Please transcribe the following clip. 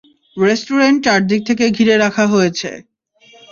Restaurant চারদিক থেকে ঘিরে রাখা হয়েছে।